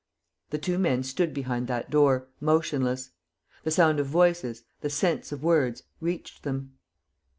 The two men stood behind that door, motionless. The sound of voices, the sense of words reached them.